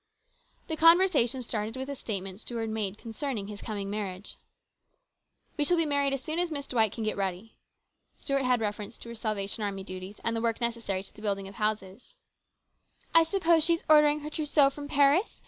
The conversation started with a statement Stuart made concerning his coming marriage. " We shall be married as soon as Miss Dwight can get ready." Stuart had reference to her Salvation Army duties and the work necessary to the building of the houses. " I suppose she is ordering her trousseau from Paris